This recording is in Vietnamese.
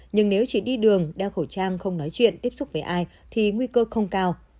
nhưng nếu chỉ đi đường đeo khẩu trang không nói chuyện tiếp xúc với ai thì nguy cơ không cao